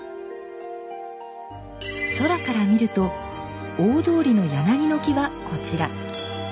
空から見ると大通りの柳の木はこちら。